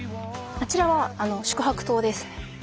あちらは宿泊棟です。